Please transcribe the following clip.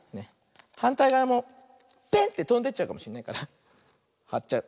はんたいがわもペンってとんでっちゃうかもしれないからはっちゃう。